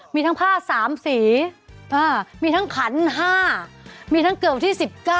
มีทั้งผ้า๓สีมีทั้งขัน๕มีทั้งเกือบที่๑๙